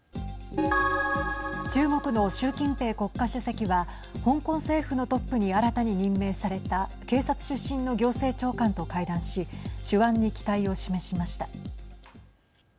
中国の習近平国家主席は香港政府のトップに新たに任命された警察出身の行政長官と会談し手腕に期待を示しました。